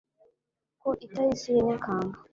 Ku itariki ya Nyakanga